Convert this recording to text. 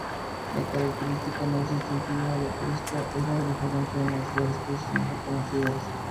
La característica más distintiva, la cresta, era diferente en las dos especies mejor conocidas.